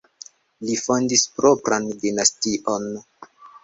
Li fondis propran dinastion.